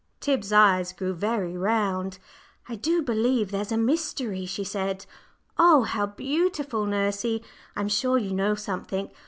Tib's eyes grew very round. "I do believe there's a mystery," she said. "Oh, how beautiful! Nursey, I'm sure you know something.